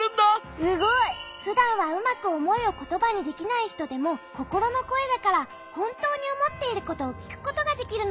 すごい！ふだんはうまくおもいをことばにできないひとでもココロのこえだからほんとうにおもっていることをきくことができるの。